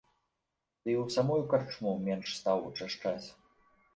Ды і ў самую карчму менш стаў учашчаць.